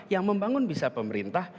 yang membangun bisa pemerintah